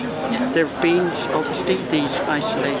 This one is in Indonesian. tentu saja ada kesempatan bank yang terisolasi